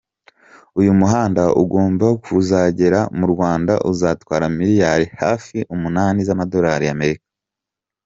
Uyu muhanda ugomba kuzagera mu Rwanda, uzatwara miliyari hafi umunani z’amadolari ya Amerika.